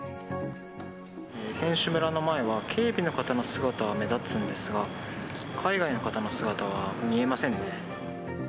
選手村の前は、警備の方の姿は目立つんですが、海外の方の姿は見えませんね。